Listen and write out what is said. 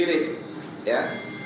jadi begini ya